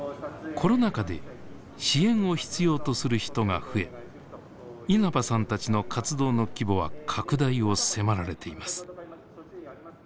コロナ禍で支援を必要とする人が増え稲葉さんたちの活動の規模は拡大を迫られています。